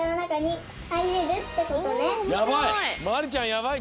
やばい！